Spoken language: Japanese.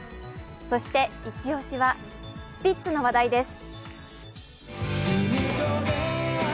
そしてイチ押しはスピッツの話題です。